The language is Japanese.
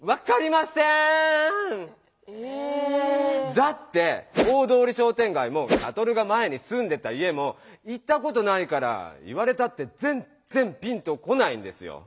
だって大通りしょうてんがいもサトルが前にすんでた家も行ったことないから言われたってぜんぜんピンと来ないんですよ。